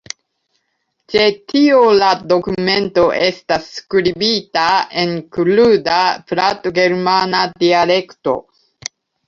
Ĉe tio la dokumento estas skribita en kruda platgermana dialekto.